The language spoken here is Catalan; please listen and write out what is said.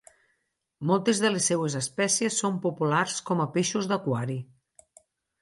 Moltes de les seues espècies són populars com a peixos d'aquari.